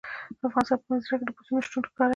د افغانستان په منظره کې د پسونو شتون ښکاره دی.